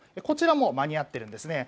こちらも間に合っているんです。